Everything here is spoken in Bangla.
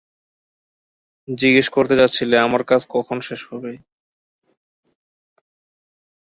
জিজ্ঞেস করতে যাচ্ছিলে আমার কাজ কখন শেষ হবে!